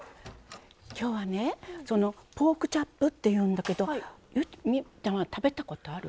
今日はねそのポークチャップって言うんだけど望結ちゃんは食べたことある？